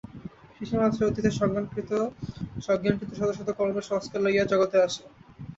শিশুমাত্রই অতীতে সজ্ঞানকৃত শত শত কর্মের সংস্কার লইয়া জগতে আসে।